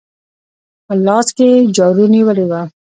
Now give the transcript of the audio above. په لاس کې يې جارو نيولې وه.